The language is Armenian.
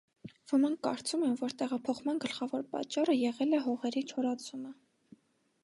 Ոմանք կարծում են, որ տեղափոխման գլխավոր պատճառը եղել է հողերի չորացումը։